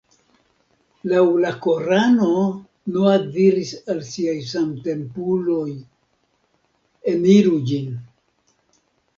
Laŭ la Korano Noa diris al siaj samtempuloj: ""Eniru ĝin.